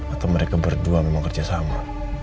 atau mereka berdua memang kerja sama